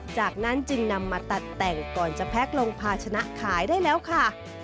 จากนั้นจึงนำมาตัดแต่งก่อนจะแพ็คลงภาชนะขายได้แล้วค่ะ